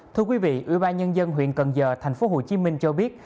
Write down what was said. thưa quý vị ủy ban nhân dân huyện cần giờ thành phố hồ chí minh cho biết